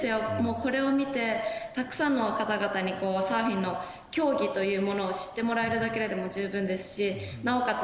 これを見てたくさんの方々にサーフィンの競技というものを知ってもらえるだけでも十分ですし、なおかつ